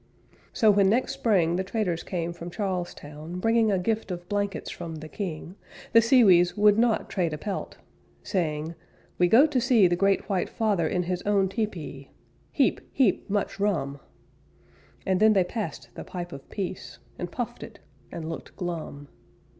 So when next spring The traders came from Charles Town, Bringing a gift of blankets from the king, The Sewees would not trade a pelt Saying, "We go to see The Great White Father in his own tepee Heap, heap much rum!" And then they passed the pipe of peace, And puffed it, and looked glum.